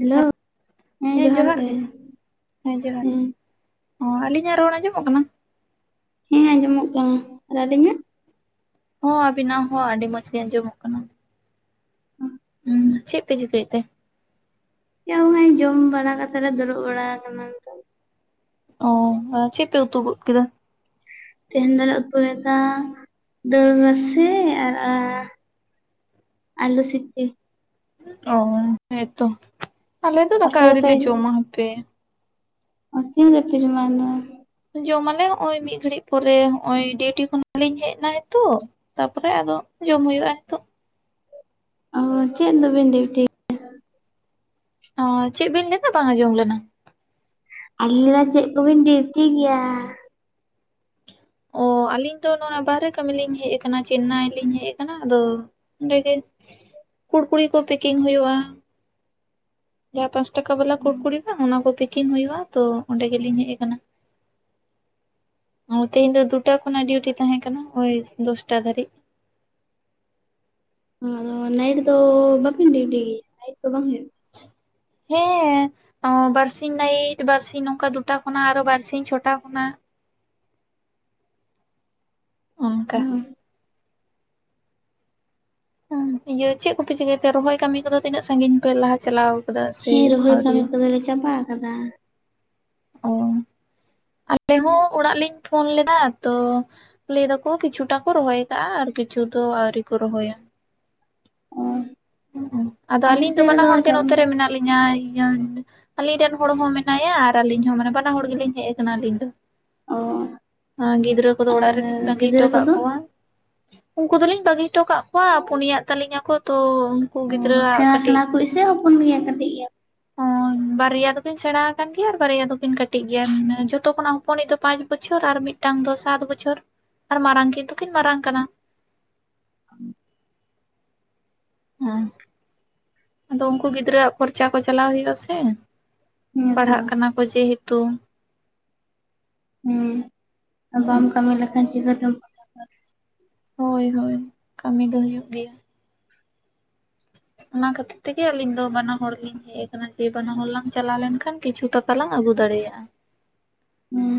Hello [inaudible] ᱦᱮᱸ ᱡᱚᱦᱟᱨ ᱜᱮ ᱫᱟᱜ, ᱦᱮᱸ ᱡᱚᱦᱟᱨ ᱜᱮ᱾ ᱦᱚᱸ ᱟᱹᱞᱤᱧᱟᱜ ᱨᱚᱲ ᱟᱸᱡᱚᱢᱚᱜ ᱠᱟᱱᱟ? ᱦᱮᱸ ᱟᱸᱡᱚᱢᱚᱜ ᱠᱟᱱᱟ, ᱟᱨ ᱟᱞᱤᱧᱟᱜ? ᱦᱚᱸ ᱟᱵᱤᱱᱟᱜ ᱦᱚᱸ ᱟᱹᱰᱤ ᱢᱚᱸᱡᱽ ᱜᱮ ᱟᱸᱡᱚᱢᱚᱜ ᱠᱟᱱᱟ᱾ ᱦᱩᱸ᱾ [unintelligible] ᱪᱮᱫ ᱯᱮ ᱪᱤᱠᱟᱹᱭᱮᱫ ᱛᱮ? ᱪᱮᱫ ᱦᱚᱸ [inaudible] ᱡᱚᱢ ᱵᱟᱲᱟ ᱠᱟᱛᱮ ᱞᱮ ᱫᱩᱲᱩᱵ ᱵᱟᱲᱟ ᱟᱠᱟᱱᱟ ᱱᱤᱛᱳᱜ [inaudible] ᱚ ᱟᱨ ᱪᱮᱫ ᱯᱮ ᱩᱛᱩ ᱜᱚᱫ ᱠᱮᱫᱟ? ᱛᱮᱦᱮᱧ ᱫᱚᱞᱮ ᱩᱛᱩᱭᱫᱟ ᱫᱟᱹᱞ ᱨᱟᱥᱮ ᱟᱨ ᱟᱞᱩ ᱥᱤᱯᱤ ᱾ ᱚ ᱦᱮᱸᱛᱚ ᱟᱞᱮ ᱫᱚ ᱫᱟᱠᱟ ᱟᱯᱮ ᱫᱚᱯᱮ ᱟᱹᱣᱨᱤᱞᱮ ᱡᱚᱢᱟ ᱦᱟᱯᱮ [unintelligible] ᱡᱚᱢ ᱟᱞᱮ ᱦᱚᱸᱜ-ᱚᱭ ᱢᱤᱫ ᱜᱷᱟᱹᱲᱤᱡ ᱯᱚᱨᱮ ᱦᱚᱸᱜ-ᱚᱭ ᱰᱤᱭᱩᱴᱤ ᱠᱷᱚᱱᱟᱜ ᱞᱤᱧ ᱦᱮᱡ ᱮᱱᱟ ᱦᱤᱛᱳᱜ ᱾ ᱛᱟᱯᱚᱨᱮ ᱟᱫᱚ ᱡᱚᱢ ᱦᱩᱭᱩᱜ-ᱟ ᱦᱤᱛᱚᱜ᱾ ᱚ ᱪᱮᱫ ᱫᱚᱵᱤᱱ ᱰᱤᱭᱩᱴᱤ ᱚ ᱪᱮᱫ ᱵᱤᱱ ᱞᱮᱭᱫᱟ ᱵᱟᱝ ᱟᱸᱡᱚᱢ ᱞᱮᱱᱟ? ᱟᱹᱞᱤᱧ ᱞᱮᱭᱫᱟ ᱪᱮᱫ ᱠᱚᱵᱤᱱ ᱰᱤᱭᱩᱴᱤ ᱜᱮᱭᱟ? ᱚ ᱟᱹᱞᱤᱧ ᱫᱚ ᱱᱚᱣᱟ ᱵᱟᱦᱨᱮ ᱠᱟᱹᱢᱤ ᱞᱤᱧ ᱦᱮᱡ ᱟᱠᱟᱱᱟ ᱪᱮᱱᱱᱟᱭ ᱞᱤᱧ ᱦᱮᱡ ᱟᱠᱟᱱᱟ ᱟᱫᱚ ᱚᱸᱰᱮ ᱜᱮ ᱠᱩᱲᱠᱩᱲᱤ ᱠᱚ ᱯᱮᱠᱤᱝ ᱦᱩᱭᱩᱜ-ᱟ᱾ ᱡᱟᱦᱟᱸ ᱯᱟᱸᱪ ᱴᱟᱠᱟ ᱵᱟᱞᱟ ᱠᱩᱲᱠᱲᱤ ᱵᱟᱝ ᱚᱱᱟ ᱠᱚ ᱯᱮᱠᱤᱝ ᱦᱩᱭᱩᱜ-ᱟ ᱛᱚ ᱚᱸᱰᱮ ᱜᱮᱞᱤᱧ ᱦᱮᱡ ᱟᱠᱟᱱᱟ᱾ ᱛᱮᱦᱮᱧ ᱫᱚ ᱫᱩᱴᱟ ᱠᱷᱚᱱᱟᱜ ᱰᱤᱭᱩᱴᱤ ᱛᱟᱦᱮᱸ ᱠᱟᱱᱟ ᱳᱭ ᱫᱚᱥᱴᱟ ᱫᱷᱟᱹᱨᱤᱡ᱾ ᱚ ᱱᱟᱭᱤᱴ ᱫᱚ ᱵᱟᱵᱤᱱ ᱰᱤᱭᱩᱴᱤ ᱜᱮᱭᱟ ᱱᱟᱭᱤᱴ ᱫᱚ ᱵᱟᱝ ᱦᱩᱭᱩᱜ-ᱟ ᱾ [unintelligible] ᱦᱮᱸ ᱵᱟᱨᱥᱤᱧ ᱱᱟᱭᱤᱴ ᱵᱟᱨᱥᱤᱧ ᱱᱚᱝᱠᱟ ᱫᱩᱴᱟ ᱠᱷᱚᱱᱟᱜ ᱟᱨᱚ ᱵᱟᱨᱥᱤᱧ ᱪᱷᱚᱴᱟ ᱠᱷᱚᱱᱟᱜ ᱾ ᱚᱱᱠᱟ [unintelligible] ᱦᱮᱸ ᱤᱭᱟᱹ ᱪᱮᱫ ᱠᱚᱯᱮ ᱪᱤᱠᱟᱹᱭᱛᱮ ᱨᱚᱦᱚᱭ ᱠᱟᱹᱢᱤ ᱠᱚᱫᱚ ᱛᱤᱱᱟᱹᱜ ᱥᱟᱹᱜᱤᱧ ᱯᱮ ᱞᱟᱦᱟ ᱪᱟᱞᱟᱣ ᱠᱟᱫᱟ ᱥᱮ ᱦᱮᱸ ᱨᱚᱦᱚᱭ ᱠᱟᱹᱢᱤ ᱟᱹᱣᱨᱤᱭᱟ ᱠᱚᱫᱚᱞᱮ ᱪᱟᱵᱟ ᱠᱟᱫᱟ ᱾ ᱚ ᱟᱞᱮ ᱦᱚᱸ ᱚᱲᱟᱜ ᱞᱤᱧ ᱯᱷᱳᱱ ᱞᱮᱫᱟ ᱛᱚ ᱞᱟᱹᱭ ᱫᱟᱠᱚ ᱠᱤᱪᱷᱩᱴᱟ ᱠᱚ ᱨᱚᱦᱚᱭ ᱠᱟᱜ-ᱟ ᱟᱨ ᱠᱤᱪᱷᱩ ᱫᱚ ᱟᱣᱨᱤ ᱠᱚ ᱨᱚᱦᱚᱭᱟ᱾ ᱚ ᱦᱩᱸ, ᱟᱫᱚ ᱟᱞᱮ ᱟᱹᱞᱤᱧ ᱫᱚ ᱥᱮᱫ ᱵᱟᱱᱟ ᱨᱮᱫᱚ ᱦᱚᱲ ᱜᱮ ᱪᱟᱵᱟ ᱱᱚᱛᱮ ᱨᱮ ᱢᱮᱱᱟᱜ ᱞᱤᱧᱟ ᱾ ᱟᱹᱞᱤᱧ ᱨᱮᱱ ᱦᱚᱲ ᱦᱚᱸ ᱢᱮᱱᱟᱭᱟ ᱟᱨ ᱟᱹᱞᱤᱧ ᱦᱚᱸ ᱢᱟᱱᱮ ᱵᱟᱱᱟ ᱦᱚᱲ ᱜᱮ ᱞᱤᱧ ᱦᱮᱡ ᱟᱠᱟᱱᱟ ᱟᱹᱞᱤᱧ ᱫᱚ ᱚ ᱾ ᱟᱨ ᱜᱤᱫᱽᱨᱟᱹ ᱠᱚᱫᱚ ᱟᱨ ᱚᱲᱟᱜ ᱨᱮ ᱞᱤᱧ ᱵᱟᱹᱜᱤ ᱦᱚᱴᱚ ᱜᱤᱫᱽᱨᱟᱹ ᱠᱟᱜ ᱠᱚᱫᱚ ᱠᱚᱣᱟ ᱾ ᱩᱱᱠᱩ ᱫᱚᱞᱤᱧ ᱵᱟᱹᱜᱤ ᱦᱚᱴᱚ ᱠᱟᱜ ᱠᱚᱣᱟ ᱯᱩᱱᱟᱜ ᱛᱟᱹᱞᱤᱧ ᱟᱠᱚ ᱛᱚ ᱩᱱᱠᱩ ᱚ, ᱜᱤᱫᱽᱨᱟᱹᱣᱟᱜ ᱥᱮᱬᱟ ᱥᱮᱬᱟ ᱠᱟᱹᱴᱤᱡ ᱠᱚ ᱮᱭᱥᱮ ᱦᱚᱯᱚᱱ ᱜᱮᱭᱟ ᱠᱟᱹᱴᱤᱡ ᱜᱮᱭᱟ ᱾ [unintelligible] ᱵᱟᱨᱭᱟ ᱫᱚᱠᱤᱱ ᱥᱮᱬᱟ ᱟᱠᱟᱱ ᱜᱮᱭᱟ ᱟᱨ ᱵᱟᱨᱭᱟ ᱫᱚᱠᱤᱱ ᱠᱟᱹᱴᱤᱡ ᱜᱮᱭᱟ ᱡᱷᱚᱛᱚ ᱠᱷᱚᱱᱟᱜ ᱦᱚᱯᱚᱱᱤᱡ ᱫᱚ ᱯᱟᱸᱪ ᱵᱚᱪᱷᱚᱨ ᱟᱨ ᱢᱤᱫ ᱢᱤᱫᱴᱟᱝ ᱫᱚ ᱥᱟᱛ ᱵᱚᱪᱷᱚᱨ ᱟᱨ ᱢᱟᱨᱟᱝ ᱠᱤᱱ ᱫᱚ ᱠᱤᱱ ᱢᱟᱨᱟᱝ ᱠᱟᱱᱟ ᱾ [unintelligible] ᱟᱫᱚ ᱩᱱᱠᱩ ᱜᱤᱫᱽᱨᱟᱹᱣᱟᱜ ᱠᱷᱚᱨᱪᱟ ᱠᱚ ᱪᱟᱞᱟᱣ ᱦᱩᱭᱩᱜ-ᱟ ᱥᱮ ᱦᱮᱸᱛᱚ ᱯᱟᱲᱦᱟᱜ ᱠᱟᱱᱟ ᱠᱚ ᱡᱮᱦᱮᱛᱩ ᱾ ᱦᱩᱸ, ᱵᱟᱢ ᱦᱩᱸ ᱠᱟᱹᱢᱤ ᱞᱮᱠᱷᱟᱱ ᱪᱤᱠᱟᱹᱛᱮᱢ ᱦᱳᱭ ᱦᱳᱭ, ᱠᱟᱹᱢᱤ ᱫᱚ ᱦᱩᱭᱩᱜ ᱜᱮᱭᱟ ᱾ ᱚᱱᱟ ᱠᱷᱟᱹᱛᱤᱨ ᱛᱮᱜᱮ ᱟᱹᱞᱤᱧ ᱫᱚ ᱵᱟᱱᱟ ᱦᱚᱲ ᱞᱤᱧ ᱦᱮᱡ ᱟᱠᱟᱱᱟ ᱡᱮ ᱵᱟᱱᱟ ᱦᱚᱲ ᱞᱟᱝ ᱪᱟᱞᱟᱣ ᱞᱮᱱᱠᱷᱟᱱ ᱠᱤᱪᱷᱩ ᱴᱟ ᱛᱟᱞᱟᱝ ᱟᱹᱜᱩ ᱫᱟᱲᱮᱭᱟᱜ-ᱟ ᱾ ᱦᱮᱸ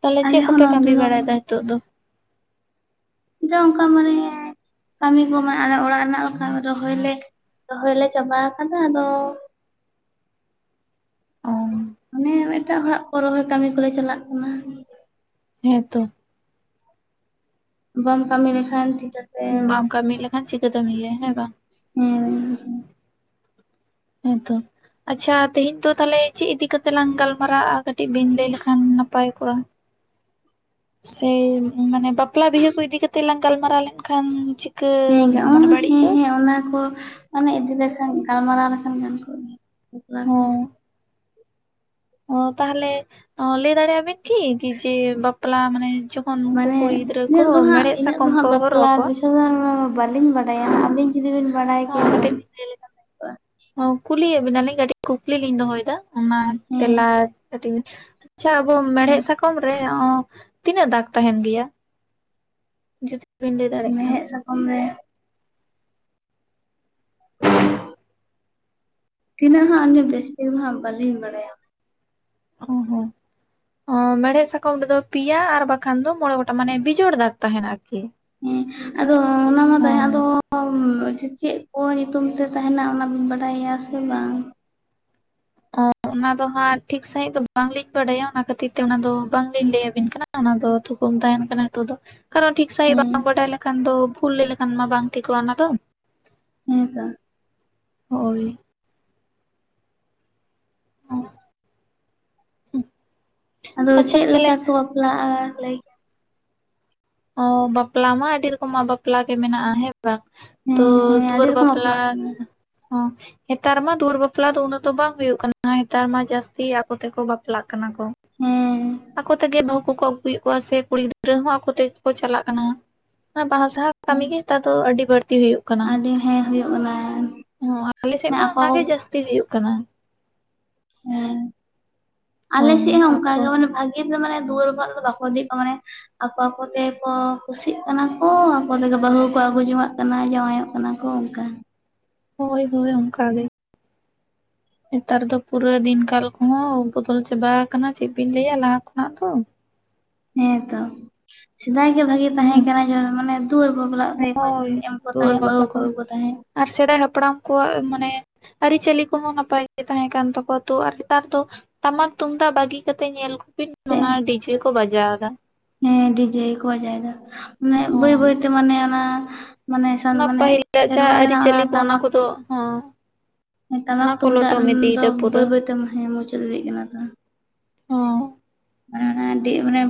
ᱛᱟᱦᱚᱞᱮ ᱟᱞᱮ ᱪᱮᱫ ᱦᱚᱸ ᱠᱚᱯᱮ ᱠᱟᱹᱢᱤ ᱱᱚᱱᱛᱮ ᱫᱚ ᱵᱟᱲᱟᱭᱮᱫᱟ ᱱᱤᱛᱚᱜ ᱫᱚ? ᱱᱤᱛᱚᱜ ᱚᱱᱠᱟ ᱢᱟᱱᱮ ᱠᱟᱹᱢᱤ ᱠᱚ ᱢᱟᱱᱮ ᱟᱞᱮ ᱚᱲᱟᱜ ᱨᱮᱱᱟᱜ ᱨᱚᱦᱚᱭ ᱞᱮ ᱨᱚᱦᱚᱭ ᱞᱮ ᱪᱟᱵᱟ ᱟᱠᱟᱫᱟ, ᱟᱫᱚ ᱚ ᱦᱮᱸ ᱮᱴᱟᱜ ᱦᱚᱲᱟᱜ ᱠᱚ ᱨᱚᱦᱚᱭ ᱠᱟᱹᱢᱤ ᱠᱚᱞᱮ ᱪᱟᱞᱟᱜ ᱠᱟᱱᱟ ᱾ ᱦᱮᱸ ᱛᱚ ᱾ ᱵᱟᱢ ᱠᱟᱹᱢᱤ ᱞᱮᱠᱷᱟᱱ ᱪᱤᱠᱟᱹᱛᱮ ᱵᱟᱢ ᱠᱟᱹᱢᱤ ᱞᱮᱠᱷᱟᱱ ᱪᱤᱠᱟᱹᱛᱮᱢ ᱤᱭᱟᱹᱭᱟ ᱦᱮᱸ ᱵᱟᱝ? [unintelligible] ᱦᱮᱸ ᱛᱚ ᱾ ᱟᱪᱪᱷᱟ, ᱛᱮᱦᱮᱧ ᱫᱚ ᱛᱟᱦᱚᱞᱮ ᱪᱮᱫ ᱤᱫᱤᱠᱟ ᱠᱟᱛᱮ ᱞᱟᱝ ᱜᱟᱞᱢᱟᱨᱟᱜᱼᱟ ᱠᱟᱹᱴᱤᱡ ᱵᱤᱱ ᱞᱟᱹᱭ ᱞᱮᱠᱷᱟᱱ ᱱᱟᱯᱟᱭ ᱠᱚᱜᱼᱟ? ᱥᱮ ᱢᱟᱱᱮ ᱵᱟᱯᱞᱟ ᱵᱤᱦᱟᱹ ᱠᱚ ᱤᱫᱤ ᱠᱟᱛᱮ ᱞᱟᱝ ᱜᱟᱞᱢᱟᱨᱟᱣ ᱞᱮᱱᱠᱷᱟᱱ ᱪᱮᱫ? ᱦᱮᱸ ᱦᱮᱸ ᱦᱮᱸ, ᱚᱱᱟ ᱠᱚ ᱾ ᱚᱱᱮ ᱤᱫᱤ ᱞᱮᱠᱷᱟᱱ ᱜᱟᱞᱢᱟᱨᱟᱣ ᱞᱮᱠᱷᱟᱱ ᱜᱮ ᱵᱷᱟᱹᱞᱤ ᱠᱚ ᱦᱚᱸ ᱜᱮᱭᱟ ᱾ ᱚ, ᱛᱟᱦᱚᱞᱮ ᱞᱟᱹᱭ ᱫᱟᱲᱮᱭᱟᱜ ᱵᱤᱱ ᱠᱤ ᱡᱮ ᱵᱟᱯᱞᱟ ᱢᱟᱱᱮ ᱛᱚᱠᱷᱚᱱ ᱩᱱᱠᱩ ᱢᱟᱱᱮ ᱠᱩᱲᱤ ᱜᱤᱫᱽᱨᱟᱹ ᱠᱚ ᱢᱮᱲᱦᱮᱜ ᱥᱟᱠᱚᱢ ᱠᱚ ᱦᱚᱨᱚᱜ ᱟᱠᱚᱣᱟ, ᱛᱚ ᱵᱟᱹᱞᱤᱧ ᱵᱟᱰᱟᱭᱟ ᱟᱹᱵᱤᱱ ᱡᱩᱫᱤ ᱵᱤᱱ ᱵᱟᱰᱟᱭ ᱠᱮᱭᱟ ᱦᱚᱸ ᱦᱚᱸ ᱠᱟᱹᱴᱤᱡ ᱞᱟᱹᱭ ᱵᱷᱟᱹᱜᱤ ᱠᱚᱜᱼᱟ ᱦᱚᱸ ᱠᱩᱞᱤᱭᱮᱫ ᱵᱮᱱᱟ ᱞᱤᱧ ᱠᱟᱹᱴᱤᱡ ᱠᱩᱠᱞᱤ ᱞᱤᱧ ᱫᱚᱦᱚᱭᱮᱫᱟ, ᱚᱱᱟ ᱦᱮᱸ ᱛᱮᱞᱟ ᱠᱟᱹᱴᱤᱡ᱾ ᱟᱪᱪᱷᱟ, ᱟᱵᱚ ᱢᱮᱲᱦᱮᱫ ᱦᱮᱸ ᱥᱟᱠᱚᱢ ᱨᱮ ᱛᱤᱱᱟᱹᱜ ᱫᱟᱜ ᱛᱟᱦᱮᱱ ᱜᱮᱭᱟ ᱡᱩᱫᱤ ᱵᱤᱱ ᱞᱟᱹᱭ ᱫᱟᱲᱮᱭᱟᱜ ᱠᱷᱟᱱ ᱢᱮᱲᱦᱮᱫ ᱥᱟᱠᱚᱢ ᱨᱮ [unintelligible] ᱛᱤᱱᱟᱹᱜ ᱦᱟᱸᱜ ᱟᱹᱞᱤᱧ ᱵᱮᱥ ᱴᱷᱤᱠ ᱫᱚ ᱦᱟᱸᱜ ᱵᱟᱹᱞᱤᱧ ᱵᱟᱲᱟᱭᱟ ᱾ ᱚ, ᱦᱮᱸ᱾ ᱢᱮᱲᱦᱮᱫ ᱥᱟᱠᱚᱢ ᱨᱮ ᱫᱚ ᱯᱮᱭᱟ ᱟᱨ ᱵᱟᱠᱷᱟᱱ ᱫᱚ ᱢᱚᱬᱮᱸ ᱜᱚᱴᱟᱝ ᱢᱟᱱᱮ ᱵᱤᱡᱳᱚᱲ ᱫᱟᱜᱽ ᱛᱟᱦᱮᱱᱟ ᱟᱨᱠᱤ ᱾ ᱦᱮᱸ, ᱟᱫᱚ ᱚᱱᱟ ᱢᱟ ᱛᱟᱦᱮᱸ ᱟᱫᱚ ᱪᱮᱫ ᱠᱚ ᱧᱩᱛᱩᱢ ᱛᱮ ᱛᱟᱦᱮᱱᱟ ᱚᱱᱟ ᱵᱤᱱ ᱵᱟᱰᱟᱭᱟ ᱥᱮ ᱵᱟᱝ? ᱚ, ᱚᱱᱟ ᱫᱚ ᱦᱟᱸᱜ ᱴᱷᱤᱠ ᱥᱺᱦᱤᱡ ᱫᱚ ᱵᱟᱝᱞᱤᱧ ᱵᱟᱰᱟᱭᱟ, ᱚᱱᱟ ᱠᱷᱟᱹᱛᱤᱨ ᱛᱮ ᱚᱱᱟ ᱫᱚ ᱵᱟᱝᱞᱤᱧ ᱞᱟᱹᱭᱟᱵᱤᱱ ᱠᱟᱱᱟ ᱾ ᱚᱱᱟ ᱫᱚ ᱛᱷᱩᱠᱩᱢ ᱛᱟᱦᱮᱱ ᱠᱟᱱᱟ ᱱᱤᱛᱚᱜ ᱫᱚ ᱾ ᱠᱟᱨᱚᱱ ᱴᱷᱤᱠ ᱥᱟᱺᱦᱤᱡ ᱦᱮᱸ ᱵᱟᱝ ᱵᱟᱰᱟᱭ ᱞᱮᱠᱷᱟᱱ ᱫᱚ, ᱵᱷᱩᱞ ᱞᱟᱹᱭ ᱞᱮᱠᱷᱟᱱ ᱢᱟ ᱵᱟᱝ ᱴᱷᱤᱠᱚᱜᱼᱟ ᱚᱱᱟ ᱫᱚ ᱾ ᱦᱮᱸ ᱛᱚ ᱾ ᱦᱳᱭ ᱾ ᱚ, ᱦᱩᱸ, ᱟᱫᱚ ᱟᱪᱪᱷᱟ ᱪᱮᱫ ᱛᱟᱦᱚᱞᱮ ᱞᱮᱠᱟ ᱠᱚ ᱵᱟᱯᱞᱟᱜᱼᱟ ᱞᱟᱹᱭ ᱚ, ᱵᱟᱯᱞᱟ ᱢᱟ ᱟᱹᱰᱤ ᱨᱚᱠᱚᱢᱟᱜ ᱵᱟᱯᱞᱟ ᱜᱮ ᱢᱮᱱᱟᱜᱼᱟ ᱦᱮᱸ ᱾ ᱵᱟᱝ ᱦᱮᱸ ᱛᱚ ᱦᱮᱸ ᱟᱹᱰᱤ ᱫᱩᱣᱟᱹᱨ ᱨᱚᱠᱚᱢ ᱵᱟᱯᱞᱟ ᱵᱟᱯᱞᱟᱜ ᱠᱟᱱᱟ ᱦᱚᱸ, ᱱᱮᱛᱟᱨ ᱢᱟ ᱫᱩᱣᱟᱹᱨ ᱵᱟᱯᱞᱟ ᱫᱚ ᱩᱱᱟᱹᱜ ᱫᱚ ᱵᱟᱝ ᱦᱩᱭᱩᱜ ᱠᱟᱱᱟ ᱾ ᱱᱮᱛᱟᱨ ᱢᱟ ᱡᱟᱹᱥᱛᱤ ᱟᱠᱚ ᱛᱮᱠᱚ ᱵᱟᱯ ᱵᱟᱯᱟᱞᱟᱜ ᱠᱟᱱᱟ ᱠᱚ ᱦᱮᱸ ᱟᱠᱚ ᱛᱮᱜᱮ ᱵᱟᱦᱩ ᱠᱚ ᱟᱹᱜᱩᱭᱮᱫ ᱠᱚᱣᱟ, ᱥᱮ ᱠᱩᱲᱤ ᱜᱤᱫᱽᱨᱟᱹ ᱦᱚᱸ ᱟᱠᱚ ᱛᱮ ᱠᱚ ᱪᱟᱞᱟᱜ ᱠᱟᱱᱟ, ᱚᱱᱟ ᱵᱟᱦᱟ ᱥᱟᱸᱦᱟ ᱠᱟᱹᱢᱤ ᱦᱮᱸ ᱜᱮ ᱱᱮᱛᱟᱨ ᱫᱚ ᱟᱹᱰᱤ ᱵᱟᱹᱲᱛᱤ ᱦᱩᱭᱩᱜ ᱠᱟᱱᱟ ᱾ ᱟᱹᱰᱤ ᱦᱮᱸ ᱦᱩᱭᱩᱜ ᱠᱟᱱᱟ ᱟᱞᱮ ᱥᱮᱫ ᱢᱟ ᱟᱠᱚ ᱚᱱᱟᱜ ᱜᱮ ᱠᱚ ᱡᱟᱹᱥᱛᱤ ᱦᱩᱭᱩᱜ ᱠᱟᱱᱟ᱾ ᱦᱮᱸ ᱟᱞᱮ ᱥᱮᱫ ᱦᱚᱸ ᱚᱱᱠᱟ ᱜᱮ ᱢᱟᱱᱮ ᱵᱷᱟᱜᱤ ᱠᱤᱱ ᱫᱚ ᱢᱟᱱᱮ ᱫᱩᱣᱟᱹᱨ ᱠᱷᱚᱱᱟᱜ ᱫᱚ ᱵᱟᱠᱟ ᱤᱫᱤᱭᱮᱛ ᱠᱚᱣᱟ ᱢᱟᱱᱮ ᱟᱠᱚ ᱟᱠᱚ ᱛᱮᱠᱚ ᱠᱩᱥᱤᱜ ᱠᱟᱱᱟ ᱠᱚ ᱟᱠᱚ ᱛᱮ ᱵᱟᱹᱦᱩ ᱠᱚ ᱟᱹᱜᱩ ᱡᱚᱝᱟᱜ ᱠᱟᱱᱟ ᱡᱟᱶᱟᱭᱚᱜ ᱠᱟᱱᱟ ᱠᱚ ᱚᱱᱠᱟ᱾ ᱦᱳᱭ ᱦᱳᱭ ᱚᱱᱠᱟ ᱜᱮ᱾ ᱱᱮᱛᱟᱨ ᱫᱚ ᱯᱩᱨᱟᱹ ᱫᱤᱱ ᱠᱟᱞ ᱠᱚᱦᱚᱸ ᱵᱚᱫᱚᱞ ᱪᱟᱵᱟ ᱟᱠᱟᱱᱟ ᱪᱮᱫ ᱵᱤᱱ ᱞᱟᱹᱭᱟ ᱞᱟᱦᱟ ᱠᱷᱚᱱᱟᱜ ᱫᱚ ᱦᱮᱸᱛᱚ ᱥᱮᱫᱟᱭ ᱜᱮ ᱵᱷᱟᱜᱤ ᱛᱟᱦᱮᱸ ᱦᱩᱸ ᱠᱟᱱᱟ ᱢᱟᱱᱮ ᱫᱩᱣᱟᱹᱨ ᱵᱟᱯᱞᱟᱜ ᱨᱮ ᱛᱮᱜᱠᱚ ᱦᱳᱭ ᱮᱢ ᱠᱚ ᱫᱩᱣᱟᱹᱨ ᱛᱟᱦᱮᱸᱜ ᱵᱟᱹᱦᱩ ᱵᱟᱯᱞᱟ ᱠᱚᱜ ᱠᱚ ᱛᱟᱦᱮᱸᱫ ᱟᱨ ᱥᱮᱫᱟᱭ ᱦᱟᱯᱲᱟᱢ ᱠᱚᱣᱟᱜ ᱢᱟᱱᱮ ᱟᱹᱨᱤᱪᱟᱹᱞᱤ ᱠᱚᱦᱚᱸ ᱱᱟᱯᱟᱭ ᱜᱮ ᱛᱟᱦᱮᱸ ᱠᱟᱱ ᱛᱟᱠᱚᱣᱟ ᱛᱚ ᱟᱨ ᱱᱮᱛᱟᱨ ᱫᱚ ᱴᱟᱢᱟᱠ ᱛᱩᱢᱫᱟᱜ ᱵᱟᱹᱜᱤ ᱠᱟᱛᱮᱫ ᱧᱮᱞᱠᱩᱵᱤᱱ ᱛᱮ ᱚᱱᱟ ᱰᱤᱡᱮ ᱠᱚ ᱵᱟᱡᱟᱣ ᱮᱫᱟ᱾ ᱦᱮᱸ ᱰᱤᱡᱮ ᱜᱮ ᱠᱚ ᱵᱟᱡᱟᱭᱫᱟ ᱢᱟᱱᱮ ᱵᱟᱹᱭ ᱦᱚᱸ ᱵᱟᱹᱭᱛᱮ ᱢᱟᱱᱮ ᱚᱱᱟ ᱢᱟᱱᱮ ᱚᱱᱟ ᱢᱟᱱᱮ ᱯᱟᱹᱦᱤᱞᱟᱜ ᱥᱮᱨᱣᱟ ᱡᱟᱦᱟᱸ ᱨᱮᱱᱟᱜ ᱚᱱᱟ ᱟᱹᱨᱤᱪᱟᱹᱞᱤ ᱠᱚ ᱴᱟᱢᱟᱠ ᱠᱚᱫᱚ ᱦᱚᱸ ᱴᱟᱢᱟᱠ ᱛᱩᱢᱫᱟᱜ ᱨᱮᱱ ᱫᱚ ᱵᱟᱹᱭ ᱵᱟᱹᱭ ᱛᱮ ᱢᱩᱪᱟᱹᱫ ᱤᱫᱤᱜ ᱠᱟᱱᱟ ᱛᱚ ᱦᱚᱸᱻ [unintelligible] ᱟᱹᱰᱤ ᱢᱟᱱᱮ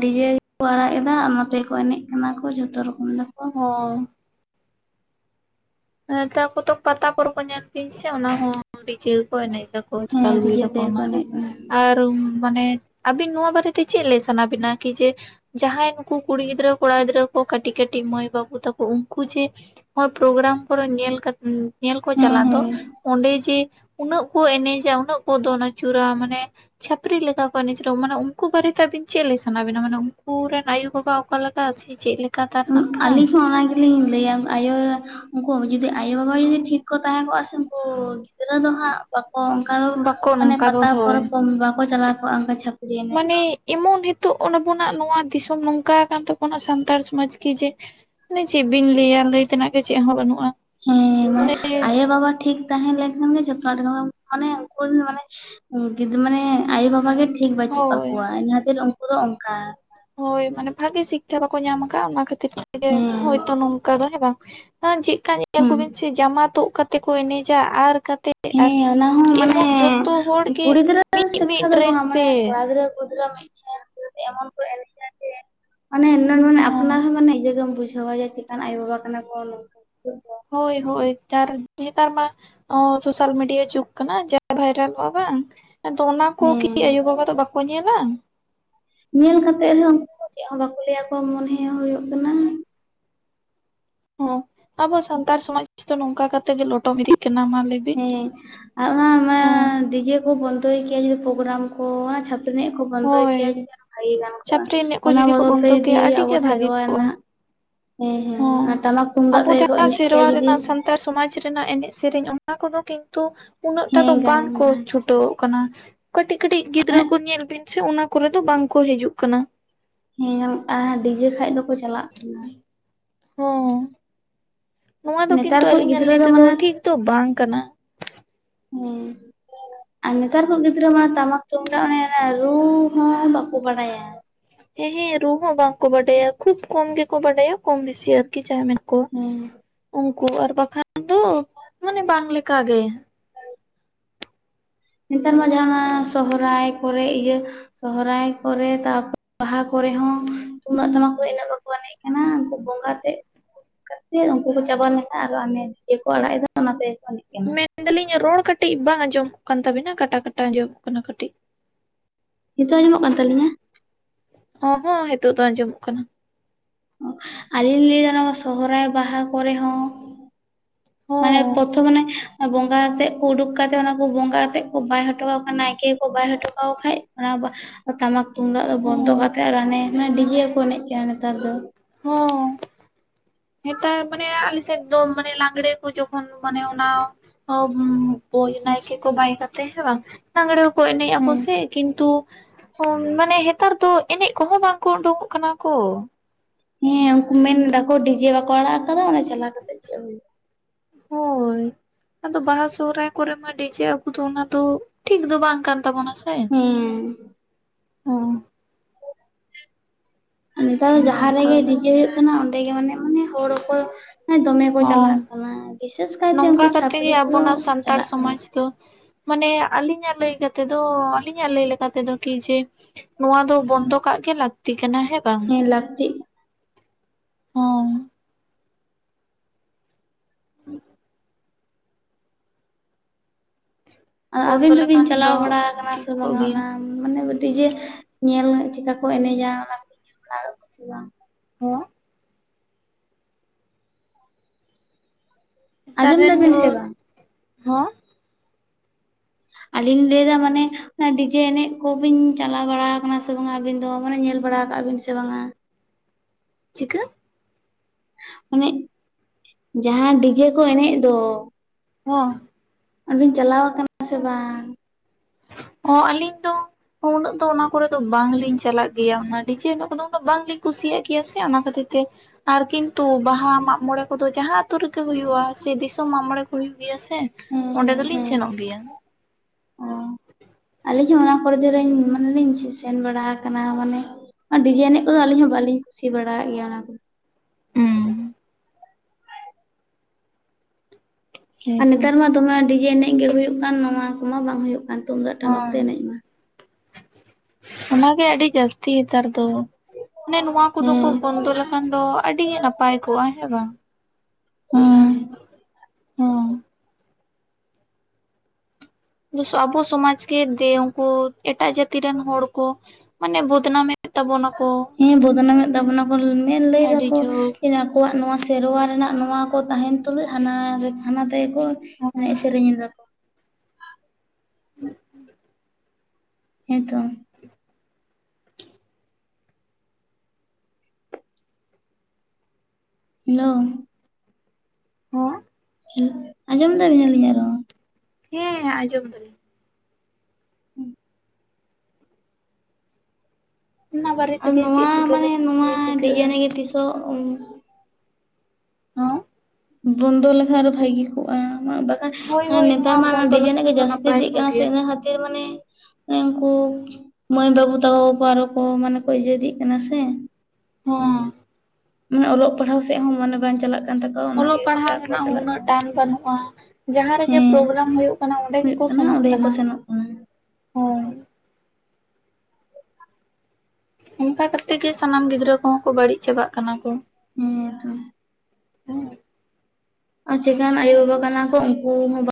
ᱰᱤᱡᱮ ᱜᱮᱠᱚ ᱟᱲᱟᱜ ᱮᱫᱟ ᱚᱱᱟᱛᱮᱠᱚ ᱮᱱᱮᱡ ᱠᱟᱱᱟ ᱠᱚ ᱡᱷᱚᱛᱚ ᱨᱚᱠᱚᱢ ᱫᱟᱠᱚ ᱦᱳᱭ ᱦᱮ ᱛᱟ ᱠᱚᱫᱚ ᱯᱟᱛᱟ ᱯᱚᱨᱚᱵᱽ ᱠᱚ ᱧᱮᱞ ᱵᱤᱱ ᱥᱮ ᱚᱱᱟ ᱦᱚᱸ ᱰᱤᱡᱮ ᱠᱚ ᱠᱟ ᱮᱱᱮᱡ ᱠᱟᱫᱟ ᱾ ᱚ ᱦᱮᱸ ᱪᱟᱞᱩᱭ ᱰᱤᱡᱮ ᱫᱟᱠᱚ ᱛᱮᱜᱮ ᱠᱚ ᱟᱱᱟᱜᱮ ᱮᱱᱮᱡ ᱠᱟᱱᱟ ᱾ ᱟᱨ ᱢᱟᱱᱮ ᱟᱹᱵᱤᱱ ᱱᱚᱣᱟ ᱵᱟᱨᱮᱛᱮ ᱪᱮᱫ ᱞᱟᱹᱭ ᱥᱟᱱᱟ ᱵᱤᱱᱟ ᱠᱤ ᱡᱮ ᱡᱟᱦᱟᱸᱭ ᱱᱩᱠᱩ ᱠᱩᱲᱤ ᱜᱤᱫᱽᱨᱟᱹ ᱠᱚᱲᱟ ᱜᱤᱫᱽᱨᱟᱹ ᱠᱚ ᱠᱟᱴᱤᱡ ᱠᱟᱹᱴᱤᱡ ᱢᱟᱹᱭ ᱵᱟᱹᱵᱩ ᱛᱟᱠᱚ ᱩᱱᱠᱩ ᱡᱮ ᱱᱚᱜ-ᱚᱭ ᱯᱨᱳᱜᱨᱟᱢ ᱠᱚᱨᱮ ᱧᱮᱞ ᱠᱟᱛᱮ ᱧᱮᱞ ᱠᱚ ᱦᱮᱸ ᱪᱟᱞᱟᱜ ᱫᱚ ᱦᱮᱸ ᱚᱸᱰᱮ ᱡᱮ ᱩᱱᱟᱹᱜ ᱠᱚ ᱮᱱᱮᱡᱟ ᱩᱱᱟᱹᱜ ᱠᱚ ᱫᱚᱱ ᱟᱹᱪᱩᱨᱟ ᱢᱟᱱᱮ ᱪᱷᱟᱹᱯᱨᱤ ᱞᱮᱠᱟ ᱠᱚ ᱮᱱᱮᱡ ᱨᱮ ᱢᱟᱱᱮ ᱩᱱᱠᱩ ᱵᱟᱨᱮᱛᱮ ᱟᱹᱵᱤᱱ ᱪᱮᱫ ᱞᱮ ᱥᱟᱱᱟ ᱵᱤᱱᱟ ᱢᱟᱱᱮ ᱩᱱᱠᱩ ᱨᱮᱱ ᱟᱭᱳ ᱵᱟᱵᱟ ᱚᱠᱟ ᱞᱮᱠᱟ ᱥᱮ ᱪᱮᱫ ᱞᱮᱠᱟ ᱾ ᱟᱹᱞᱤᱧ ᱦᱚᱸ ᱚᱱᱟ ᱜᱮᱞᱤᱧ ᱞᱟᱹᱭᱟ ᱟᱭᱳ ᱩᱱᱠᱩ ᱡᱩᱫᱤ ᱟᱭᱳ ᱵᱟᱵᱟ ᱡᱩᱫᱤ ᱴᱷᱤᱠ ᱠᱚ ᱛᱟᱦᱮᱸ ᱠᱚᱜ-ᱟ ᱥᱮ ᱩᱱᱠᱩ ᱜᱤᱫᱽᱨᱟᱹ ᱫᱚ ᱦᱟᱸᱜ ᱵᱟᱠᱚ ᱚᱱᱠᱟ ᱫᱚ ᱵᱟᱠᱚ ᱢᱟᱱᱮ ᱱᱚᱝᱠᱟ ᱫᱚ ᱯᱟᱛᱟ ᱦᱳᱭ ᱯᱚᱨᱚᱵᱽ ᱠᱚ ᱵᱟᱠᱚ ᱪᱟᱞᱟᱣ ᱠᱚᱜ-ᱟ ᱚᱝᱠᱟ ᱪᱷᱟ ᱢᱟᱱᱮ ᱮᱢᱚᱱ ᱱᱤᱛᱚᱜ ᱟᱵᱚᱱᱟᱜ ᱱᱚᱣᱟ ᱫᱤᱥᱚᱢ ᱱᱚᱝᱠᱟ ᱟᱠᱟᱱ ᱛᱟᱵᱚᱱᱟ ᱥᱟᱱᱛᱟᱲ ᱥᱚᱢᱟᱡᱽ ᱜᱮ ᱡᱮ ᱢᱟᱱᱮ ᱪᱮᱫ ᱵᱤᱱ ᱞᱟᱹᱭᱟ ᱞᱟᱹᱭ ᱛᱮᱱᱟᱜ ᱜᱮ ᱪᱮᱫ ᱦᱚᱸ ᱵᱟᱹᱱᱩᱜ-ᱟ ᱾ ᱦᱮᱸ ᱢᱟᱹᱭ ᱟᱭᱳ ᱵᱟᱵᱟ ᱴᱷᱤᱠ ᱛᱟᱦᱮᱸ ᱞᱮᱠᱷᱟᱱ ᱜᱮ ᱡᱚᱛᱚ ᱦᱚᱲ ᱢᱟᱱᱮ ᱩᱱᱠᱩ ᱨᱤᱱ ᱢᱟᱱᱮ ᱢᱟᱱᱮ ᱟᱭᱳ ᱵᱟᱵᱟ ᱜᱮ ᱴᱷᱤᱠ ᱵᱟᱹᱪᱩᱜ ᱦᱳᱭ ᱠᱟᱠᱚᱣᱟ ᱤᱱᱟᱹ ᱠᱷᱟᱹᱛᱤᱨ ᱩᱱᱠᱩ ᱫᱚ ᱚᱱᱠᱟ ᱾ ᱦᱳᱭ ᱢᱟᱱᱮ ᱵᱷᱟᱜᱤ ᱥᱤᱠᱠᱷᱟ ᱵᱟᱠᱚ ᱧᱟᱢ ᱟᱠᱟᱫ ᱚᱱᱟ ᱠᱷᱟᱹᱛᱤᱨ ᱛᱮᱜᱮ ᱦᱮᱸ ᱦᱳᱭᱛᱳ ᱱᱚᱝ ᱚᱝᱠᱟ ᱫᱚ ᱦᱮᱸ ᱵᱟᱝ ᱪᱮᱫᱠᱟ ᱧᱮᱞ ᱠᱚᱵᱤᱱ ᱦᱩᱸ ᱥᱮ ᱡᱟᱢᱟ ᱛᱩᱫ ᱠᱟᱛᱮ ᱠᱚ ᱮᱱᱮᱡᱟ ᱟᱨ ᱠᱟᱛᱮ ᱟᱨ ᱦᱮᱸ ᱚᱱᱟ ᱦᱚᱸ ᱢᱟᱱᱮ ᱮᱢᱚᱱ ᱡᱚᱛᱚ ᱦᱚᱲ ᱜᱮ ᱠᱩᱲᱤ ᱜᱤᱫᱽᱨᱟᱹ ᱢᱤᱫ ᱢᱤᱫ ᱥᱤᱠᱷᱟ ᱫᱚ ᱰᱨᱮᱥ ᱵᱟᱝ ᱛᱮ ᱢᱟᱱᱮ ᱠᱚᱲᱟ ᱜᱤᱫᱽᱨᱟᱹ ᱠᱩᱲᱤ ᱜᱤᱫᱽᱨᱟᱹ ᱢᱟᱱᱮ ᱞᱟᱭᱫᱟᱧ ᱦᱚᱸ ᱟᱯᱱᱟᱨ ᱦᱚ ᱡᱟᱱᱤᱡ ᱵᱮᱥᱮᱢ ᱵᱩᱡᱷᱟᱣᱟ ᱡᱮ ᱟᱱᱠᱟᱱ ᱟᱭᱳ ᱵᱟᱵᱟ ᱠᱟᱱᱟ ᱠᱚ ᱱᱚᱝᱠᱟ [inaudible] ᱫᱚ ᱾ ᱦᱳᱭ ᱦᱳᱭ ᱛᱟᱨ ᱱᱮᱛᱟᱨ ᱢᱟ ᱟ ᱥᱳᱥᱟᱞ ᱢᱤᱰᱤᱭᱟ ᱡᱩᱜ ᱠᱟᱱᱟ ᱡᱟ ᱵᱷᱟᱭᱨᱟᱞᱚᱜ-ᱟ ᱵᱟᱝ ᱾ ᱟᱫᱚ ᱚᱱᱟ ᱠᱚ ᱠᱤ ᱦᱮᱸ ᱟᱭᱳ ᱵᱟᱵᱟ ᱫᱚ ᱵᱟᱠᱚ ᱧᱮᱞᱟ ᱾ ᱧᱮᱞ ᱠᱟᱛᱮᱜ ᱨᱮᱦᱚᱸ ᱩᱱᱠᱩ ᱪᱮᱫ ᱦᱚᱸ ᱵᱟᱠᱚ ᱞᱟᱹᱭᱟᱠᱚ ᱢᱚᱱᱮ ᱦᱩᱭᱩᱜ ᱠᱟᱱᱟ ᱾ ᱦᱟᱸ ᱟᱵᱚ ᱥᱟᱱᱛᱟᱲ ᱥᱚᱢᱟᱡᱽ ᱱᱚᱝᱠᱟ ᱠᱟᱛᱮ ᱜᱮ ᱞᱚᱴᱚᱢ ᱤᱫᱤᱜ ᱠᱟᱱᱟ ᱢᱟ ᱞᱟᱹᱭ ᱦᱮᱸ ᱟᱨ ᱚᱱᱟ ᱰᱤᱡᱮ ᱠᱚ ᱵᱚᱱᱫᱚᱭ ᱜᱮᱭᱟ ᱡᱩᱫᱤ ᱯᱨᱳᱜᱨᱟᱢ ᱠᱚ ᱪᱷᱟᱯᱱᱤ ᱮᱱᱮᱡ ᱠᱚ ᱵᱚᱱᱫᱚᱭ ᱦᱳᱭ ᱠᱮᱭᱟ ᱵᱷᱟᱹᱜᱮ ᱜᱟᱱᱚᱜ-ᱟ ᱪᱷᱟᱹᱯᱨᱤ ᱮᱱᱮᱡ ᱾ ᱠᱚ ᱚᱱᱟ ᱡᱩᱫᱤ ᱠᱚ ᱵᱚᱫᱚᱞ ᱛᱮ ᱵᱚᱱᱫᱚ ᱡᱩᱫᱤ ᱠᱮᱭᱟ ᱟᱹᱰᱤ ᱟᱵᱚ ᱜᱮ ᱵᱷᱟᱹᱜᱤ ᱥᱮᱨᱣᱟ ᱠᱚᱜᱼᱟ ᱨᱮᱱᱟᱜ ᱦᱮᱸ ᱦᱮᱸ ᱦᱚᱸ ᱟᱨ ᱴᱟᱢᱟᱠ ᱛᱩᱢᱫᱟᱜ ᱛᱮᱜᱮ ᱠᱚ ᱮᱱᱮᱡ ᱠᱮᱭᱟ ᱡᱩᱫᱤ ᱾ ᱟᱨ ᱥᱚᱢᱟᱡᱽ ᱨᱮᱱᱟᱜ ᱮᱱᱮᱡ ᱥᱮᱨᱮᱧ ᱚᱱᱟ ᱠᱚᱫᱚ ᱠᱤᱱᱛᱩ ᱩᱱᱟᱹᱜ ᱴᱟ ᱦᱮᱸ ᱫᱚ ᱜᱟᱱ ᱵᱟᱝ ᱠᱚ ᱵᱷᱟᱭ ᱪᱷᱩᱴᱟᱹᱣ ᱠᱟᱱᱟ ᱠᱟᱹᱴᱤᱡ ᱠᱟᱹᱴᱤᱡ ᱜᱤᱫᱽᱨᱟᱹ ᱠᱚ ᱧᱮᱞ ᱵᱤᱱ ᱥᱮ ᱚᱱᱟ ᱠᱚᱨᱮ ᱫᱚ ᱵᱟᱝ ᱠᱚ ᱦᱤᱡᱩᱜ ᱠᱟᱱᱟ ᱾ ᱦᱮᱸ ᱟ ᱰᱤᱡᱮ ᱠᱷᱟᱡ ᱫᱚᱠᱚ ᱪᱟᱞᱟᱜ ᱠᱟᱱᱟ ᱾ ᱦᱚᱸ ᱾ ᱱᱚᱣᱟ ᱫᱚ ᱠᱤᱱᱛᱩ ᱱᱮᱛᱟᱨ ᱠᱚ ᱟᱞᱤᱧᱟᱜ ᱜᱤᱫᱽᱨᱟᱹ ᱞᱮᱭ ᱫᱚ ᱛᱮᱫᱚ ᱢᱟᱱᱮ ᱴᱷᱤᱠ ᱫᱚ ᱵᱟᱝ ᱠᱟᱱᱟ ᱾ ᱦᱮᱸ ᱾ ᱟᱨ ᱱᱮᱛᱟᱨ ᱠᱚ ᱜᱤᱫᱽᱨᱟᱹ ᱢᱟ ᱴᱟᱢᱟᱠ ᱛᱩᱢᱫᱟᱜ ᱚᱱᱮᱱᱟ ᱨᱩ ᱦᱚᱸ ᱵᱟᱠᱚ ᱵᱟᱲᱟᱭᱟ ᱾ ᱦᱮᱸ ᱦᱮᱸ ᱨᱩ ᱦᱚᱸ ᱵᱟᱝᱠᱚ ᱵᱟᱰᱟᱭᱟ ᱠᱷᱩᱵ ᱠᱚᱢ ᱜᱮᱠᱚ ᱵᱟᱰᱟᱭᱟ ᱠᱚᱢ ᱵᱤᱥᱤ ᱟᱨᱠᱤ ᱡᱟᱦᱟᱸ ᱢᱮ ᱠᱚ ᱦᱮᱸ ᱚᱝᱠᱳ ᱟᱨ ᱵᱟᱠᱷᱟᱱ ᱫᱚ ᱢᱟᱱᱮ ᱵᱟᱝ ᱞᱮᱠᱟᱜ ᱜᱮ ᱾ ᱱᱮᱛᱟᱨ ᱢᱟ ᱡᱟᱦᱟᱱᱟᱜ ᱥᱚᱦᱨᱟᱭ ᱠᱚᱨᱮᱜ ᱤᱭᱟᱹ ᱥᱚᱦᱨᱟᱭ ᱠᱚᱨᱮ ᱛᱟᱨᱯᱚᱨ ᱵᱟᱦᱟ ᱠᱚᱨᱮ ᱦᱚᱸ ᱾ ᱛᱩᱢᱫᱟᱜ ᱴᱟᱢᱟᱠ ᱫᱚ ᱤᱱᱟᱹᱜ ᱵᱟᱠᱚ ᱮᱱᱮᱡ ᱠᱟᱱᱟ ᱩᱝᱠᱩ ᱵᱚᱸᱜᱟ ᱛᱮᱜ ᱠᱟᱛᱮ ᱩᱝᱠᱩ ᱠᱚ ᱪᱟᱵᱟ ᱞᱮᱱᱟ ᱟᱨᱚ ᱟᱱᱮ ᱪᱮᱜ ᱠᱚ ᱟᱲᱟᱜ ᱮᱫᱟ ᱚᱱᱟᱛᱮ ᱚᱱᱮ ᱢᱮᱱᱫᱟᱞᱤᱧ ᱨᱚᱲ ᱠᱟᱹᱴᱤᱡ ᱵᱟᱝ ᱟᱸᱡᱚᱢᱚᱜ ᱠᱟᱱ ᱛᱟᱵᱤᱱᱟ ᱠᱟᱴᱟ ᱠᱟᱴᱟ ᱟᱸᱡᱚᱢᱚᱜ ᱠᱟᱱᱟ ᱠᱟᱹᱴᱤᱡ ᱾ ᱱᱤᱛᱚᱜ ᱟᱸᱡᱚᱢᱚᱜ ᱠᱟᱱ ᱛᱟᱹᱞᱤᱧᱟ? ᱦᱚᱸ ᱦᱚᱸ ᱦᱤᱛᱚᱜ ᱫᱚ ᱟᱸᱡᱚᱢᱚᱜ ᱠᱟᱱᱟ᱾ ᱟᱞᱤᱧ ᱞᱤᱧ ᱞᱮᱭᱫᱟ ᱱᱚᱣᱟ ᱠᱚ ᱥᱚᱦᱚᱨᱟᱭ ᱵᱟᱦᱟ ᱠᱚᱨᱮ ᱦᱚᱸ ᱢᱟᱱᱮ ᱦᱚᱸ ᱯᱚᱛᱷᱚ ᱢᱟᱱᱮ ᱵᱚᱸᱜᱟ ᱟᱛᱮᱜ ᱠᱚ ᱩᱰᱩᱠ ᱠᱟᱛᱮᱜ ᱚᱱᱟ ᱠᱚ ᱵᱚᱸᱜᱟ ᱟᱛᱮᱜ ᱠᱚ ᱵᱟᱭ ᱦᱚᱴᱚ ᱠᱟᱠᱚ ᱠᱟᱱᱟ ᱮᱠᱮ ᱠᱚ ᱵᱟᱭ ᱦᱚᱴᱚ ᱠᱟᱠᱚ ᱠᱷᱟᱡ ᱚᱱᱟ ᱵᱟ ᱛᱟᱢᱟᱠ ᱛᱩᱢᱫᱟᱜ ᱫᱚ ᱵᱚᱱᱫᱚ ᱦᱚᱸ ᱠᱟᱛᱮᱜ ᱟᱨᱚ ᱦᱟᱱᱮ ᱚᱱᱮ ᱰᱤᱡᱮ ᱠᱚ ᱮᱱᱮᱡ ᱠᱟᱱᱟ ᱱᱮᱛᱟᱨ ᱫᱚ᱾ ᱦᱚᱸ ᱱᱮᱛᱟᱨ ᱢᱟᱱᱮ ᱟᱞᱮᱥᱮᱜ ᱫᱚ ᱢᱟᱱᱮ ᱞᱟᱜᱽᱲᱮ ᱠᱚ ᱡᱚᱠᱷᱚᱱ ᱢᱟᱱᱮ ᱚᱱᱟ ᱚᱢ ᱵᱚᱭ ᱱᱟᱭᱠᱮ ᱠᱚ ᱵᱟᱭ ᱠᱟᱛᱮ ᱦᱮᱸ ᱵᱟᱝ ᱞᱟᱜᱽᱬᱮ ᱦᱚᱸᱠᱚ ᱮᱱᱮᱡ ᱟᱠᱚ ᱦᱮᱸ ᱥᱮ ᱠᱤᱱᱛᱩ ᱢᱟᱱᱮ ᱦᱮᱛᱟᱨ ᱫᱚ ᱮᱱᱮᱡ ᱠᱚᱦᱚᱸ ᱵᱟᱝᱠᱚ ᱩᱸᱰᱩᱠᱚᱜ ᱠᱟᱱᱟ ᱠᱚ᱾ ᱦᱮᱸ ᱩᱝᱠᱩ ᱢᱮᱱ ᱫᱟᱠᱚ ᱰᱤᱡᱮ ᱵᱟᱠᱚ ᱟᱲᱟᱜ ᱠᱟᱫᱟ ᱚᱱᱟ ᱪᱟᱞᱟᱣ ᱠᱟᱛᱮᱜ ᱪᱮᱜ ᱦᱩᱭᱩᱜᱼᱟ᱾ ᱦᱳᱭ ᱟᱫᱚ ᱵᱟᱦᱟ ᱥᱚᱦᱚᱨᱟᱭ ᱠᱚᱨᱮ ᱢᱟ ᱰᱤᱡᱮ ᱟᱜᱩ ᱫᱚ ᱚᱱᱟ ᱫᱚ ᱴᱷᱤᱠ ᱫᱚ ᱵᱟᱝ ᱠᱟᱱ ᱛᱟᱵᱚᱱᱟ ᱥᱮ ᱞᱟᱭᱮᱱ ᱦᱮᱸ ᱦᱚᱸ᱾ ᱱᱮᱛᱟᱨ ᱫᱚ ᱚᱱᱮ ᱡᱟᱦᱟᱸ ᱚᱱᱠᱟ ᱨᱮᱜᱮ ᱰᱤᱡᱮ ᱦᱩᱭᱩᱜ ᱠᱟᱱᱟ ᱚᱸᱰᱮᱜᱮ ᱢᱟᱱᱮ ᱢᱟᱱᱮ ᱦᱚᱲ ᱦᱚᱠᱚ ᱫᱚᱢᱮ ᱠᱚ ᱦᱚᱸ ᱪᱟᱞᱟᱜ ᱠᱟᱱᱟ ᱵᱤᱥᱮᱥ ᱠᱟᱭᱛᱮ ᱱᱚᱝᱠᱟ ᱩᱝᱠᱩ ᱪᱷᱟᱯᱨᱤ ᱠᱚᱫᱚ ᱪᱟᱞᱟᱜ ᱠᱟᱱᱟ ᱠᱚ᱾ ᱛᱚ ᱢᱟᱱᱮ ᱟᱹᱞᱤᱧᱟᱜ ᱞᱟᱹᱭ ᱞᱮᱠᱟ ᱛᱮ ᱫᱚ ᱟᱹᱞᱤᱧᱟᱜ ᱞᱟᱹᱭ ᱞᱮᱠᱟᱛᱮᱫᱚ ᱠᱤ ᱥᱮ ᱱᱚᱣᱟ ᱫᱚ ᱵᱚᱱᱫᱚ ᱠᱟᱜ ᱜᱮ ᱞᱟᱹᱠᱛᱤ ᱠᱟᱱᱟ ᱦᱮᱸ ᱵᱟᱝ᱾ ᱞᱟᱹᱠᱛᱤᱜ᱾ ᱦᱚᱸ᱾ [inaudible] ᱟᱨ ᱵᱚᱱᱫᱚ ᱟᱹᱵᱤᱱ ᱫᱩᱵᱤᱱ ᱞᱮᱠᱷᱟᱱ ᱫᱚ ᱪᱟᱞᱟᱣ ᱵᱟᱲᱟᱣ ᱠᱟᱱᱟ ᱴᱷᱤᱠ ᱥᱮ ᱠᱚᱜ ᱵᱟᱝᱟ ᱜᱮᱭᱟ ᱚᱱᱟ ᱢᱟᱱᱮ ᱵᱟᱴᱤ ᱡᱮ ᱧᱮᱞ ᱪᱮᱜᱠᱟ ᱠᱚ ᱮᱱᱮᱡᱟ ᱚᱱᱟ [unintelligible] ᱦᱚᱸ᱾ ᱱᱮᱛᱟᱨ ᱟᱸᱡᱚᱢ ᱨᱮᱱ ᱫᱟᱵᱤᱱ ᱫᱚ ᱥᱮ ᱵᱟᱝ ᱦᱚᱸ᱾ ᱟᱹᱞᱤᱧ ᱞᱤᱧ ᱞᱟᱹᱭ ᱫᱟ ᱢᱟᱱᱮ ᱢᱟᱱᱮ ᱰᱤᱡᱮ ᱮᱱᱮᱡ ᱠᱚᱵᱤᱱ ᱪᱟᱞᱟᱣ ᱵᱟᱲᱟᱣ ᱠᱟᱱᱟ ᱥᱮ ᱵᱟᱝᱟ ᱟᱹᱵᱤᱱ ᱫᱚ ᱢᱟᱱᱮ ᱧᱮᱞ ᱵᱟᱲᱟ ᱟᱠᱟᱜ-ᱟ ᱵᱤᱱ ᱥᱮ ᱵᱟᱝᱟ? ᱪᱤᱠᱟᱹ? ᱚᱱᱮ ᱡᱟᱦᱟᱸ ᱰᱤᱡᱮ ᱠᱚ ᱮᱱᱮᱜ ᱫᱚ? ᱦᱚᱸ᱾ ᱟᱹᱵᱤᱱ ᱪᱟᱞᱟᱣ ᱠᱟᱱᱟ ᱥᱮ ᱵᱟᱝ? ᱚ ᱟᱹᱞᱤᱧ ᱫᱚ ᱩᱱᱟᱹᱜ ᱫᱚ ᱚᱱᱟ ᱠᱚᱨᱮ ᱫᱚ ᱵᱟᱝᱞᱤᱧ ᱪᱟᱞᱟᱜ ᱜᱮᱭᱟ ᱚᱱᱟ ᱰᱤᱡᱮ ᱮᱱᱮᱜ ᱠᱚᱫᱚ ᱩᱱᱟᱹᱜ ᱵᱟᱝᱞᱤᱧ ᱠᱩᱥᱤᱭᱟᱜ ᱜᱮᱭᱟ ᱥᱮ ᱚᱱᱟ ᱠᱷᱟᱹᱛᱤᱨ ᱛᱮ ᱟᱨ ᱠᱤᱱᱛᱩ ᱵᱟᱦᱟ ᱢᱟᱜ ᱢᱚᱬᱮ ᱠᱚᱫᱚ ᱡᱟᱦᱟᱸ ᱟᱛᱩ ᱨᱤᱜᱤ ᱦᱩᱭᱩᱜᱼᱟ ᱥᱮ ᱫᱤᱥᱚᱢ ᱢᱟᱜ ᱢᱚᱬᱮ ᱠᱚ ᱦᱩᱭᱩᱜ ᱜᱮᱭᱟ ᱥᱮ᱾ ᱦᱮᱸ ᱚᱸᱰᱮ ᱦᱮᱸ ᱫᱚᱞᱤᱧ ᱦᱮᱸ ᱥᱮᱱᱚᱜ ᱜᱮᱭᱟ᱾ ᱚ ᱟᱞᱤᱧ ᱦᱚᱸ ᱚᱱᱟ ᱠᱚᱨᱮ ᱫᱚᱞᱤᱧ ᱢᱟᱱᱮᱞᱤᱧ ᱥᱮ ᱥᱮᱱ ᱵᱟᱲᱟᱦᱟᱱᱟ ᱢᱟᱱᱮ ᱰᱤᱡᱮ ᱮᱱᱮᱡ ᱠᱚᱫᱚ ᱟᱹᱞᱤᱧ ᱦᱚᱸ ᱵᱟᱞᱤᱧ ᱠᱩᱥᱤ ᱵᱟᱲᱟᱣᱟᱜ ᱜᱮᱭᱟ ᱚᱱᱟ ᱠᱚ᱾ ᱩᱸ ᱟᱨ ᱦᱮᱸᱛᱚ ᱱᱮᱛᱟᱨ ᱢᱟ ᱫᱚᱢᱮ ᱰᱤᱡᱮ ᱮᱱᱮᱡ ᱜᱮ ᱦᱩᱭᱩᱜ ᱠᱟᱱ ᱱᱚᱣᱟ ᱠᱚᱢᱟ ᱵᱟᱝ ᱦᱩᱭᱩᱜ ᱠᱟᱱ᱾ ᱛᱩᱢᱫᱟᱜ ᱴᱟᱢᱟᱠ ᱦᱚᱸ ᱛᱮ ᱮᱱᱮᱡ ᱢᱟ ᱚᱱᱟᱜᱮ ᱟᱹᱰᱤ ᱡᱟᱹᱥᱛᱤ ᱱᱮᱛᱟᱨ ᱫᱚ᱾ ᱢᱟᱱᱮ ᱱᱚᱣᱟ ᱠᱚᱫᱚ ᱠᱚ ᱦᱮᱸ ᱵᱚᱱᱫᱚ ᱞᱮᱠᱷᱟᱱ ᱫᱚ ᱟᱹᱰᱤ ᱜᱮ ᱱᱟᱯᱟᱭ ᱠᱚᱜ-ᱟ ᱦᱮᱸ ᱵᱟᱝ᱾ ᱦᱩᱸ᱾ ᱦᱩᱸ᱾ ᱫᱚᱥᱚ ᱟᱵᱚ ᱥᱚᱢᱟᱡ ᱜᱮ ᱫᱮ ᱩᱱᱠᱩ ᱮᱴᱟᱜ ᱡᱟᱹᱛᱤ ᱨᱮᱱ ᱦᱚᱲ ᱠᱚ ᱢᱟᱱᱮ ᱵᱚᱫᱱᱟᱢᱮᱜ ᱦᱮᱸ ᱵᱚᱫᱱᱟᱢᱮᱜ ᱛᱟᱵᱚᱱᱟᱠᱚ ᱢᱮ ᱞᱟᱹᱭ ᱟᱹᱰᱤ ᱫᱟᱠᱚ ᱡᱳᱨ [unintelligible] ᱟᱠᱚᱣᱟᱜ ᱱᱚᱣᱟ ᱥᱮᱨᱣᱟ ᱨᱮᱱᱟᱜ ᱱᱚᱣᱟ ᱠᱚ ᱛᱟᱦᱮᱸᱱ ᱛᱩᱞᱩᱡ ᱦᱟᱱᱟ ᱨᱮ ᱚᱱᱟ ᱛᱮᱜᱮᱠᱚ ᱦᱮᱸ ᱮᱱᱮᱡ ᱥᱮᱨᱮᱧ ᱮᱫᱟᱠᱚ᱾ [inaudible] ᱦᱮᱸᱛᱚ᱾ ᱦᱮᱞᱳ᱾ [unintelligible] ᱦᱮᱞᱳ, ᱟᱸᱡᱚᱢ ᱫᱟᱵᱤᱱ ᱟᱸᱞᱤᱧᱟᱜ ᱨᱚᱲ? ᱦᱮᱸ ᱟᱸᱡᱚᱢ ᱫᱟᱹᱞᱤᱧ᱾ ᱦᱩᱸ᱾ ᱚᱱᱟ ᱵᱟᱨᱮ ᱟᱨ ᱛᱮᱜᱮ ᱪᱮᱫ ᱱᱚᱣᱟ ᱪᱤᱠᱟᱹ ᱢᱟᱱᱮ ᱞᱮᱠᱷᱟᱱ ᱱᱚᱣᱟ ᱜᱮ ᱪᱤᱠᱟᱹᱜᱼᱟ ᱰᱤᱡᱮ ᱮᱱᱮᱡ ᱜᱮ ᱛᱤᱥᱚᱜ ᱦᱚᱸᱜ ᱵᱚᱱᱫᱚ ᱞᱮᱠᱷᱟᱱ ᱟᱨᱚ ᱵᱷᱟᱹᱜᱤ ᱠᱚᱜ-ᱟ ᱦᱳᱭ [unintelligible] ᱦᱳᱭ ᱱᱮᱛᱟᱨ ᱱᱚᱣᱟ ᱢᱟ ᱵᱚᱱᱫᱚ ᱰᱤᱡᱮ ᱮᱱᱮᱡ ᱞᱮᱠᱷᱟᱱ ᱜᱮ ᱫᱚ ᱡᱟᱹᱥᱛᱤ ᱱᱟᱯᱟᱭ ᱤᱫᱤᱜ ᱠᱚᱜ ᱠᱟᱱᱟ ᱥᱮ ᱜᱮᱭᱟ ᱤᱱᱟᱹ ᱠᱷᱟᱹᱛᱤᱨ ᱢᱟᱱᱮ ᱩᱱᱠᱩ ᱢᱟᱹᱭ ᱵᱟᱹᱵᱩ ᱛᱟᱠᱚ ᱠᱚ ᱟᱨᱚ ᱠᱚ ᱢᱟᱱᱮ ᱠᱚ ᱤᱭᱟᱹ ᱤᱫᱤᱜ ᱠᱟᱱᱟ ᱥᱮ, ᱦᱚᱸ ᱦᱚᱸ᱾ ᱢᱟᱱᱮ ᱚᱞᱚᱜ ᱯᱟᱲᱦᱟᱣ ᱥᱮᱫ ᱦᱚᱸ ᱢᱚᱱᱮ ᱵᱟᱝ ᱪᱟᱞᱟᱜ ᱠᱟᱱ ᱛᱟᱠᱚᱣᱟ ᱚᱞᱚᱜ ᱚᱱᱟᱜᱮ ᱜᱚᱴᱟ ᱯᱟᱲᱦᱟᱜ ᱠᱚ ᱨᱮᱱᱟᱜ ᱦᱚᱸ ᱪᱟᱞᱟᱜ ᱩᱱᱟᱹᱜ ᱠᱟᱱᱟ ᱴᱟᱱ ᱵᱟᱹᱱᱩᱜ-ᱟ, ᱡᱟᱦᱟᱸ ᱨᱮᱜᱮ ᱦᱮᱸ ᱯᱨᱳᱜᱨᱟᱢ ᱦᱩᱭᱩᱜ ᱠᱟᱱᱟ ᱚᱸᱰᱮ ᱦᱩᱭᱩᱜ ᱜᱮᱠᱚ ᱥᱮᱱᱚᱜ ᱚᱸᱰᱮ ᱠᱟᱱᱟ ᱜᱮᱠᱚ ᱥᱮᱱᱚᱜ ᱠᱟᱱᱟ [inaudible] ᱦᱳᱭ᱾ ᱚᱱᱠᱟ ᱠᱟᱛᱮᱜ ᱜᱮ ᱥᱟᱱᱟᱢ ᱜᱤᱫᱽᱨᱟᱹ ᱠᱚᱦᱚᱸ ᱠᱚ ᱵᱟᱹᱲᱤᱡ ᱪᱟᱵᱟᱜ ᱠᱟᱱᱟ ᱠᱚ᱾ ᱦᱮᱸ ᱛᱚ᱾ ᱦᱮᱸ ᱟᱨ ᱪᱮᱠᱟᱱ ᱟᱭᱳ ᱵᱟᱵᱟ ᱠᱟᱱᱟ ᱠᱚ ᱩᱱᱠᱩ ᱦᱚᱸ ᱵᱟ